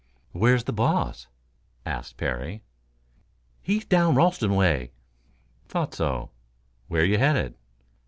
"Where's the boss?" asked Parry. "He's gone down Ralston way." "Thought so. Where you headed?"